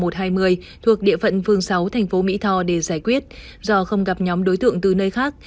thuộc địa phận phương sáu thành phố mỹ tho để giải quyết do không gặp nhóm đối tượng từ nơi khác